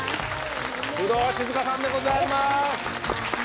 工藤静香さんでございます。